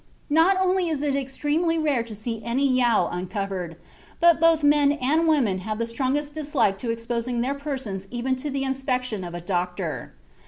Not only is it extremely rare to see any Yao uncovered, but both men and women have the strongest dislike to exposing their persons even to the inspection of a doctor.